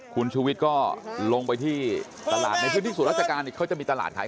คุณชู้วิทย์ก็ลงไปที่ประหลาดเวลาหลักสู่ราชการเขาจะมีตลาดไข